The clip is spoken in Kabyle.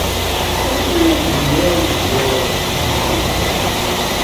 Anta ara d-yuraren dduṛ n tgeldunt?